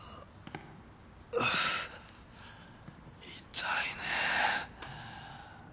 痛いねぇ。